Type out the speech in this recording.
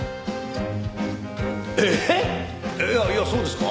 えっいやいやそうですか？